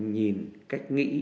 nhìn cách nghĩ